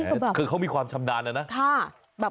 พี่ก็แบบเขามีความชำดารอ่ะนะ